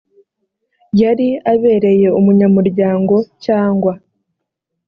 yari abereye umunyamuryango cyangwa